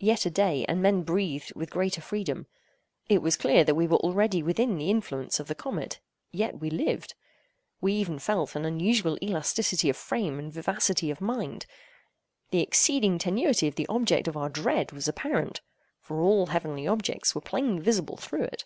Yet a day, and men breathed with greater freedom. It was clear that we were already within the influence of the comet; yet we lived. We even felt an unusual elasticity of frame and vivacity of mind. The exceeding tenuity of the object of our dread was apparent; for all heavenly objects were plainly visible through it.